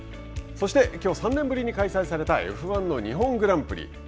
きょう３年ぶりに開催されたＦ１日本グランプリ。